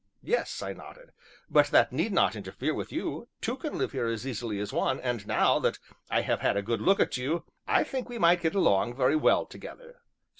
"Yes," I nodded, "but that need not interfere with you two can live here as easily as one, and, now that I have had a good look at you, I think we might get along very well together."